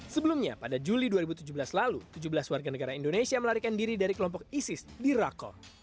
sebelumnya pada juli dua ribu tujuh belas lalu tujuh belas warga negara indonesia melarikan diri dari kelompok isis di rakor